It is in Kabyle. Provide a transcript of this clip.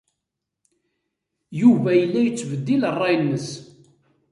Yuba yella yettbeddil ṛṛay-nnes.